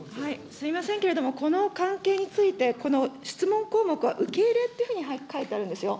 すみませんけれども、この関係について、この質問項目は受け入れというふうに書いてあるんですよ。